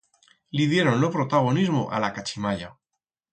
Li dieron lo protagonismo a la cachimalla.